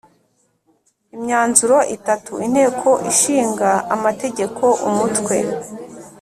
imyanzuro itatu Inteko Ishinga Amategeko Umutwe